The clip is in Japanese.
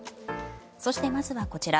そして、まずはこちら。